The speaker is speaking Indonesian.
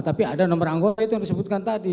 tapi ada nomor anggota itu yang disebutkan tadi